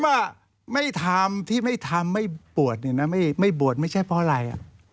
ผมไม่ทำที่ไม่ทำไม่บวชไม่บวชไม่ใช่เพราะอะไร